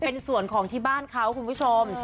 เป็นส่วนของที่บ้านเขาคุณผู้ชม